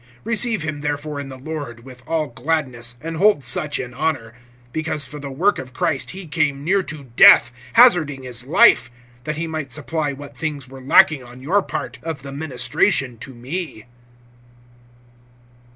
(29)Receive him therefore in the Lord with all gladness, and hold such in honor; (30)because for the work of Christ he came near to death, hazarding his life, that he might supply what things were lacking on your part, of the ministration to me.